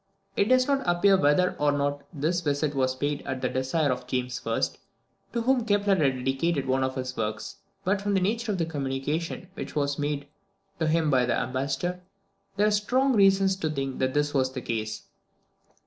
It does not appear whether or not this visit was paid at the desire of James I., to whom Kepler had dedicated one of his works, but from the nature of the communication which was made to him by the ambassador, there are strong reasons to think that this was the case.